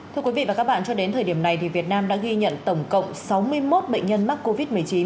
thưa quý vị và các bạn cho đến thời điểm này việt nam đã ghi nhận tổng cộng sáu mươi một bệnh nhân mắc covid một mươi chín